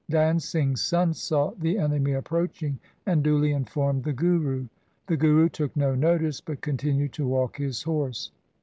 Dan Singh's son saw the enemy approaching, and duly informed the Guru. The Guru took no notice, but continued to walk his horse.